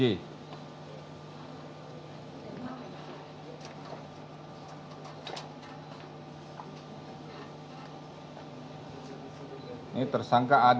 ini tersangka ad